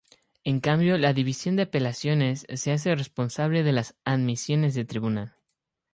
En cambio, la División de Apelaciones se hace responsable de las admisiones de tribunal.